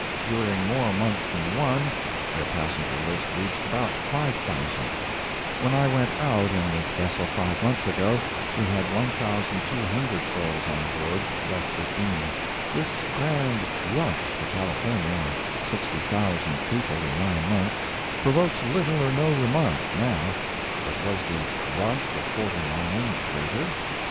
During more months than one, their passenger list reached about 5,000. When I went out in this vessel five months ago, she had 1,200 souls on board, less fifteen. This grand "rush" to California of 60,000 people in nine months provokes little or no remark, now—but was the "rush" of '49 greater?